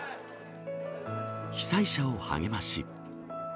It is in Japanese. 被災者を励まし。